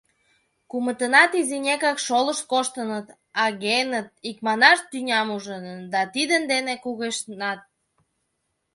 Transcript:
Кумытынат изинекак шолышт коштыныт, агеныт, икманаш, «тӱням ужыныт» да тидын дене кугешнат.